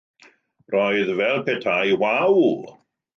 Roedd fel petai, ‘Waw!